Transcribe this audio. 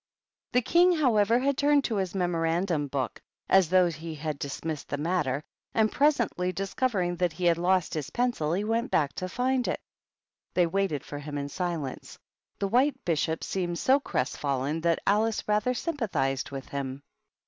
The King, however, had turned to his Memo randum Book, as though he had dismissed the 172 THE BISHOPS. matter, and presently discovering that he had lost his pencil, he went back to find it. They waited for him in silence; the White Bishop seemed so crestfallen that Alice rather sympathized with him.